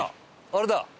あれだ。